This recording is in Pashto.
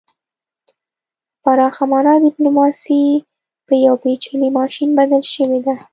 په پراخه مانا ډیپلوماسي په یو پیچلي ماشین بدله شوې ده